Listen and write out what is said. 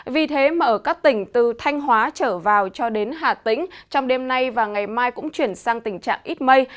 vì thế mà ở các tỉnh từ thanh hóa trở vào cho đến hà tĩnh trong đêm nay và ngày mai cũng chuyển sang tình trạng ít mây